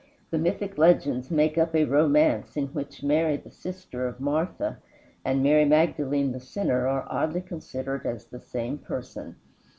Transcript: The mythic legends make up a romance in which Mary the sister of Martha and Mary Magdalene the sinner are oddly considered as the same person.